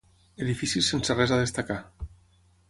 Edificis sense res a destacar.